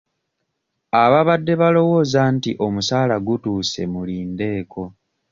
Ababadde balowooza nti omusaala gutuuse mulindeeko.